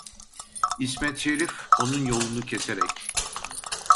İsmet Şerif onun yolunu keserek: